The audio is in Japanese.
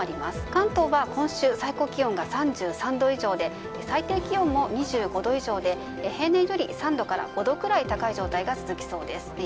関東は今週最高気温が３３度以上で最低気温も２５度以上で平年より３度から５度くらい高い状態が続きそうです。